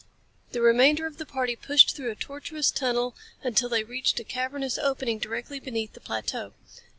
The remainder of the party pushed through a tortuous tunnel until they reached a cavernous opening directly beneath the plateau.